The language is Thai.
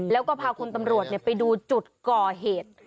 แล้วก็พาคุณตำรวจไปดูจุดก่อเหตุ